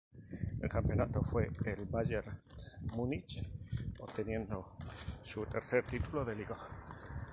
El campeón fue el Bayern Múnich, obteniendo su tercer título de Liga.